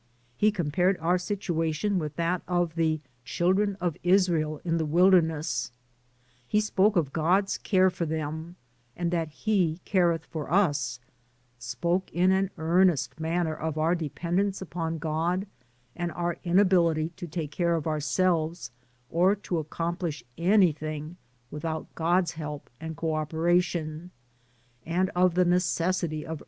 He compared our situation with that of ''The Children of Israel" in the wilderness. He spoke of God's care for them, and that He careth for us, spoke in an earnest manner of our dependence upon God, and our inability to take care of ourselves, or to accomplish anything without God's help and co operation, and of the necessity of no DAYS ON THE ROAD.